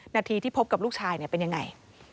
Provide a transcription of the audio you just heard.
นาทีที่พบกับลูกชายเป็นยังไง